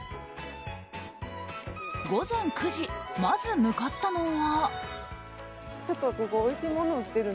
午前９時、まず向かったのは。